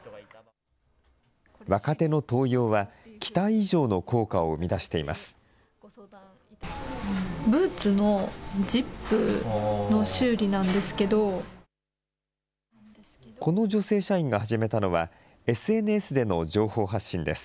若手の登用は、期待以上の効果を生み出しています。